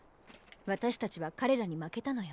私たちは彼らに負けたのよ。